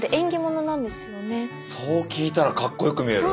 そう聞いたらかっこよく見える。